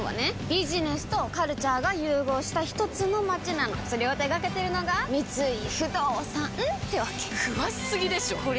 ビジネスとカルチャーが融合したひとつの街なのそれを手掛けてるのが三井不動産ってわけ詳しすぎでしょこりゃ